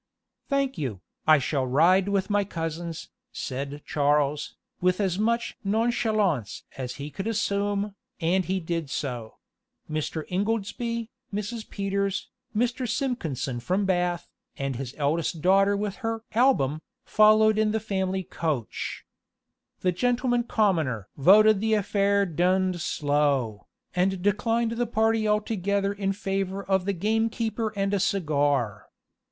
"Thank you, I shall ride with my cousins," said Charles, with as much nonchalance as he could assume and he did so; Mr. Ingoldsby, Mrs. Peters, Mr. Simpkinson from Bath, and his eldest daughter with her album, following in the family coach. The gentleman commoner "voted the affair d d slow," and declined the party altogether in favor of the gamekeeper and a cigar.